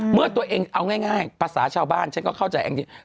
เมื่อตัวเองเอาง่ายภาษาชาวบ้านฉันก็เข้าใจแองจี้